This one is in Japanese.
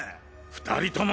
２人とも！